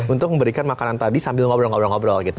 untuk memberikan makanan tadi sambil ngobrol ngobrol gitu